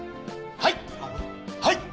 はい！